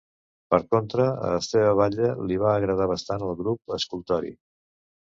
Per contra, a Esteve Batlle, li va agradar bastant el grup escultòric.